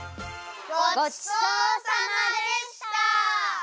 ごちそうさまでした！